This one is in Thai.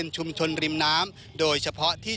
ชุมชนริมน้ำโดยเฉพาะที่